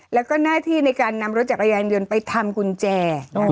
แล้วก็หน้าที่ในการนำรถจักรยานยนต์ไปทำกุญแจ